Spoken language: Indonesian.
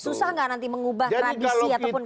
susah gak nanti mengubah tradisi ataupun culture masyarakat